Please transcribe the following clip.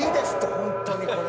本当に、これ。